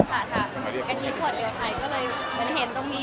กะทิกกวดเรียวไทยก็เลยเห็นตรงนี้